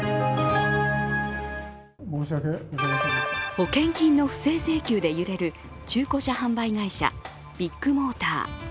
保険金の不正請求で揺れる中古車販売会社ビッグモーター。